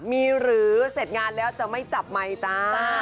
มีหรือเสร็จงานแล้วจะไม่จับไมค์จ้า